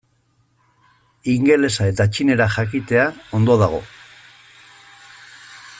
Ingelesa eta txinera jakitea ondo dago.